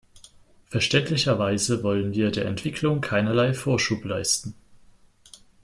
Verständlicherweise wollen wir der Entwicklung keinerlei Vorschub leisten.